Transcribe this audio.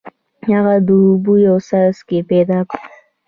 هغه د اوبو یو څاڅکی پیدا کړ.